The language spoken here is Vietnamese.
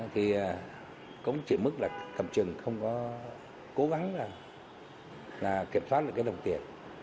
thì cũng chỉ mức là cầm trừng không có cố gắng là kiểm soát được cái đồng tiền